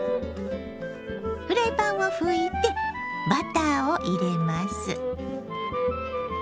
フライパンを拭いてバターを入れます。